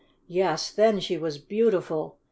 Yes, then she was beautiful !